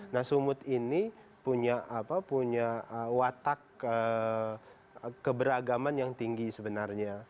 nah sumut ini punya watak keberagaman yang tinggi sebenarnya